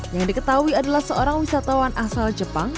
yang diketahui adalah seorang wisatawan asal jepang